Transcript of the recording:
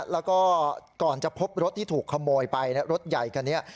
แล้วก็ก่อนจะพบรถที่ถูกขโมยไปรถใหญ่คันนี้